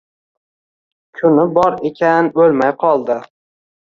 Kuni bor ekan, o‘lmay qoldi.